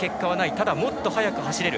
ただ、もっと速く走れる。